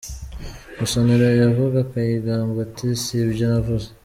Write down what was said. Musonera yavuga, Kayigamba ati si ibyo navuze.